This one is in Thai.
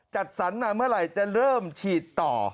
จัดสรรมาเมื่อไหร่จะเริ่มฉีดต่อ